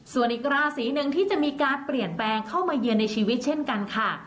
ส่วนอีกราศีหนึ่งที่จะมีการเปลี่ยนแปลงเข้ามาเยือนในชีวิตเช่นกันค่ะ